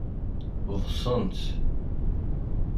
Ḍḍsent.